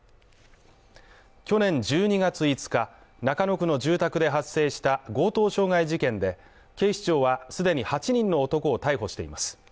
去年１２月５日、中野区の住宅で発生した強盗傷害事件で警視庁は、既に８人の男を逮捕しています。